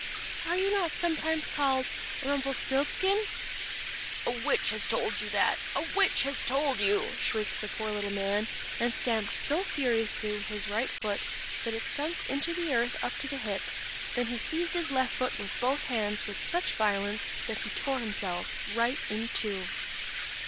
"Are you not sometimes called Rumpelstilzchen?" "A witch has told you that a witch has told you!" shrieked the poor little man, and stamped so furiously with his right foot that it sunk into the earth up to the hip; then he seized his left foot with both hands with such violence, that he tore himself right in two.